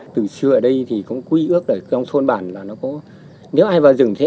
từ xưa ở đây cũng quy ước trong thôn bản là nếu ai vào rừng thế